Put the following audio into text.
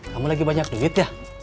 kamu lagi banyak duit ya